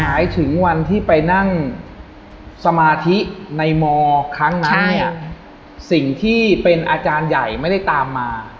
หมายถึงวันที่ไปนั่งสมาธิในมครั้งนั้นเนี่ยสิ่งที่เป็นอาจารย์ใหญ่ไม่ได้ตามมา